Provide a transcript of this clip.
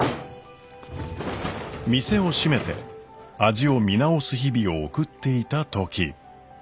店を閉めて味を見直す日々を送っていた時。